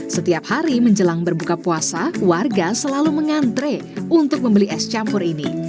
setiap hari menjelang berbuka puasa warga selalu mengantre untuk membeli es campur ini